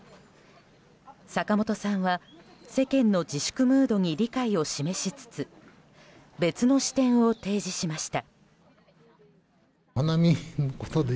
坂本さんは、世間の自粛ムードに理解を示しつつ別の視点を提示しました。